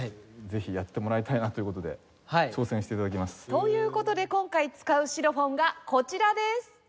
ぜひやってもらいたいなという事で挑戦して頂きます。という事で今回使うシロフォンがこちらです。